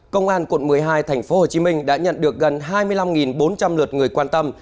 công an quận một mươi hai tp hcm đã nhận được gần hai mươi năm bốn trăm linh lượt người quan tâm